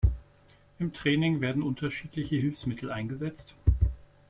Im Training werden unterschiedliche Hilfsmittel eingesetzt.